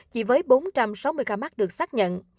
chỉ với bốn trăm sáu mươi ca mắc được xác nhận